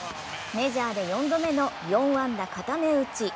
メジャーで４度目の４安打固め打ち。